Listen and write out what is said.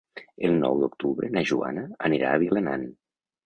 El nou d'octubre na Joana anirà a Vilanant.